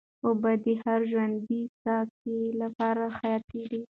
اوبه د هر ژوندي ساه کښ لپاره حیاتي دي.